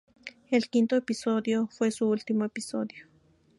El quinto episodio fue su último episodio.